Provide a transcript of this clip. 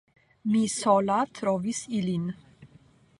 Mi sola trovis ilin.